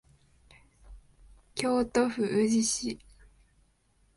京都府宇治市